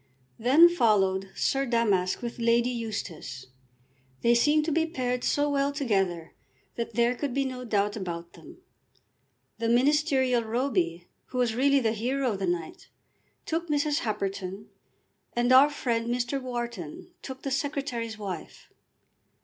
Then followed Sir Damask with Lady Eustace. They seemed to be paired so well together that there could be no doubt about them. The ministerial Roby, who was really the hero of the night, took Mrs. Happerton, and our friend Mr. Wharton took the Secretary's wife.